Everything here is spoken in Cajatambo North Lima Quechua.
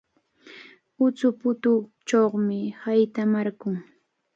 Utsuputuuchawmi haytamarqun.